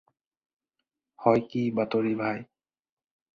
হয় কি বাতৰি ভাই?